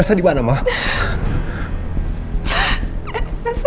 elsa sekarang dimana ma elsa dimana ma